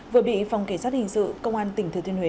vừa bị phòng kể sát hình sự